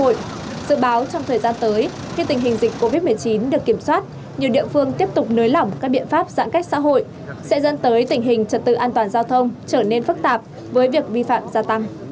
dự báo trong thời gian tới khi tình hình dịch covid một mươi chín được kiểm soát nhiều địa phương tiếp tục nới lỏng các biện pháp giãn cách xã hội sẽ dân tới tình hình trật tự an toàn giao thông trở nên phức tạp với việc vi phạm gia tăng